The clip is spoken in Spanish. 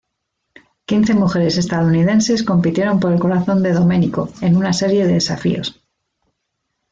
Quince mujeres estadounidenses compitieron por el corazón de Domenico en una serie de desafíos.